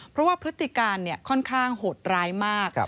เพราะว่าพฤติการค่อนข้างโหดร้ายมาก